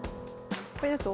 それだと。